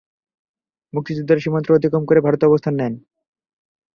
মুক্তিযোদ্ধারা সীমান্ত অতিক্রম করে ভারতে অবস্থান নেন।